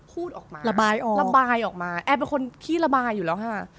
พูดออกมาระบายออกมาแอบเป็นคนที่ระบายอยู่แล้วฮะ